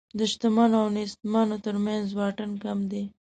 د شتمنو او نېستمنو تر منځ واټن کم دی.